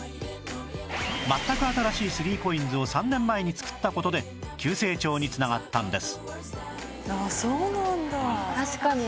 全く新しい ３ＣＯＩＮＳ を３年前に作った事で急成長に繋がったんです